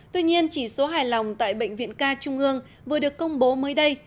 tuy nhiên chỉ số hài lòng tại bệnh viện ca trung ương vừa được công bố mới đây